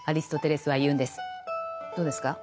どうですか？